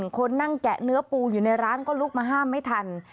คนนั่งแกะเนื้อปูอยู่ในร้านก็ลุกมาห้ามไม่ทัน